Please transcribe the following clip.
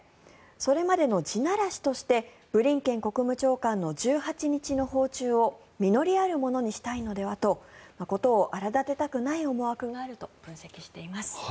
それまでの地ならしとしてブリンケン国務長官の１８日の訪中を実りあるものにしたいのではと事を荒立てたくない思惑があると分析しています。